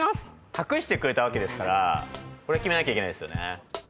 託してくれたわけですからこれ決めなきゃいけないですよね。